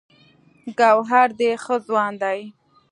ګوهر ډې ښۀ ځوان دی